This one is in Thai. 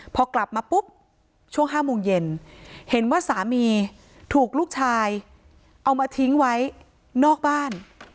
พอกลับมาปุ๊บช่วง๕โมงเย็นเห็นว่าสามีถูกลูกชายเอามาทิ้งไว้นอกบ้าน